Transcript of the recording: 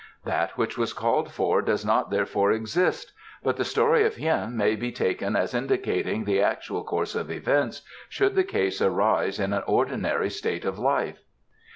That which was called for does not therefore exist, but the story of Hien may be taken as indicating the actual course of events should the case arise in an ordinary state of life."